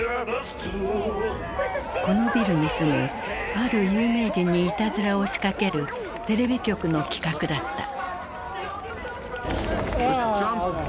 このビルに住むある有名人にいたずらを仕掛けるテレビ局の企画だった。